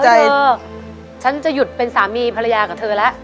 เธอฉันจะหยุดเป็นสามีภรรยากับเธอแล้ว